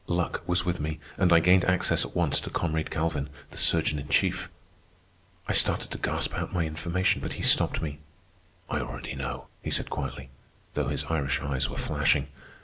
Luck was with me, and I gained access at once to comrade Galvin, the surgeon in chief. I started to gasp out my information, but he stopped me. "I already know," he said quietly, though his Irish eyes were flashing.